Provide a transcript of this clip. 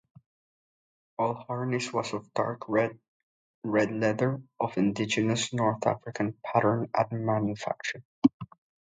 All harness was of dark-red red leather, of indigenous North African pattern and manufacture.